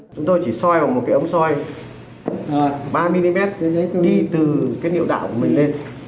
chúng tôi chỉ soi vào một cái ống soi ba mm đi từ cái niệu đạo của mình lên